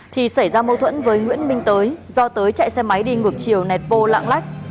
thì xảy ra mâu thuẫn với nguyễn minh tới do tới chạy xe máy đi ngược chiều nẹt bô lạng lách